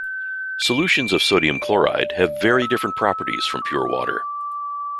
Solutions of sodium chloride have very different properties from pure water.